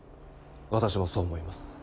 私もそう思います。